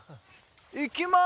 いきます